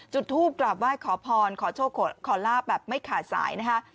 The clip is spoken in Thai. จุดทูปกลับไหว้ขอพรขอโชคขอลาบแบบไม่ขาดสายนะคะ